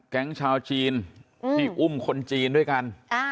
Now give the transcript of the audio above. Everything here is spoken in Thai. ชาวจีนที่อุ้มคนจีนด้วยกัน